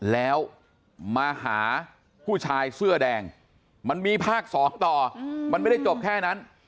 แล้วมาหาผู้ชายเสื้อแดงมันมีภาค๒ต่อมันไม่ได้จบแค่นั้น